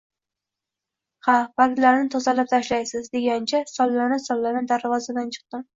Ha, barglarini tozalab tashlaysiz, degancha sollana-sollana darvozadan chiqdim